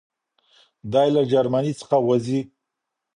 دی له جرمني څخه وځي.